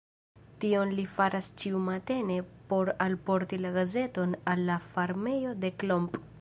Tion li faras ĉiumatene por alporti la gazeton al la farmejo de Klomp.